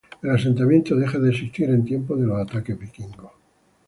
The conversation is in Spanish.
El asentamiento deja de existir en tiempos de los ataques vikingos.